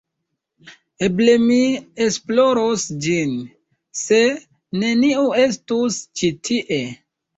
Eble mi esploros ĝin, se neniu estus ĉi tie.